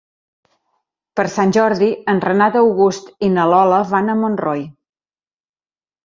Per Sant Jordi en Renat August i na Lola van a Montroi.